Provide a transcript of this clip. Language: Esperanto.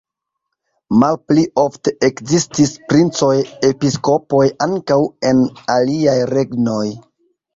Malpli ofte ekzistis princoj-episkopoj ankaŭ en aliaj regnoj.